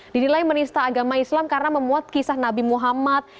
dinilai menista agama islam karena memuat kisah nabi muhammad